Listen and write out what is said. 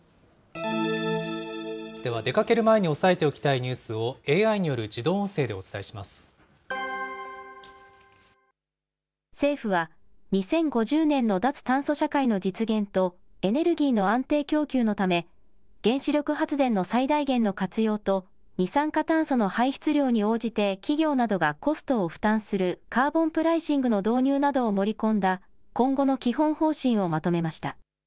では、出かける前に押さえておきたいニュースをＡＩによる自政府は、２０５０年の脱炭素社会の実現と、エネルギーの安定供給のため、原子力発電の最大限の活用と、二酸化炭素の排出量に応じて企業などがコストを負担するカーボンプライシングの導入などを盛り込んだ今後の基本方針をまとめました。